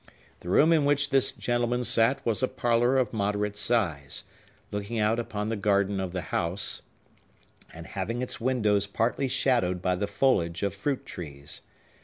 The room in which this gentleman sat was a parlor of moderate size, looking out upon the garden of the house, and having its windows partly shadowed by the foliage of fruit trees.